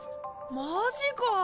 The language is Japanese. マぁジか？